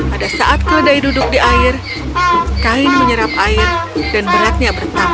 pada saat keledai duduk di air kain menyerap air dan beratnya bertambah